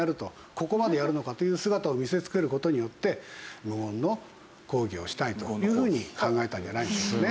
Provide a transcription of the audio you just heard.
ここまでやるのかという姿を見せつける事によって無言の抗議をしたいというふうに考えたんじゃないですかね。